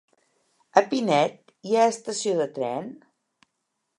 A Pinet hi ha estació de tren?